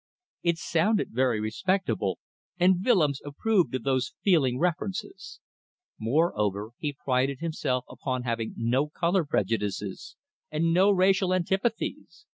It sounded very respectable, and Willems approved of those feeling references. Moreover, he prided himself upon having no colour prejudices and no racial antipathies.